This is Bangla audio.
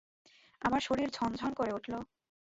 আমার শরীর ঝনঝন করে উঠল।